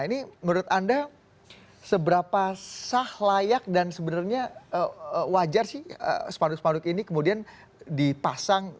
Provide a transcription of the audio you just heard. ini menurut anda seberapa sah layak dan sebenarnya wajar sih spanduk spanduk ini kemudian dipasang